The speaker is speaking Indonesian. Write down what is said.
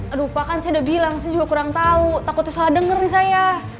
aduh lupa kan saya udah bilang saya juga kurang tahu takutnya salah denger nih saya